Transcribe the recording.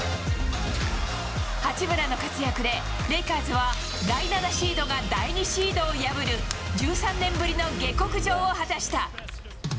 八村の活躍でレイカーズは第７シードが第２シードを破る、１３年ぶりの下剋上を果たした。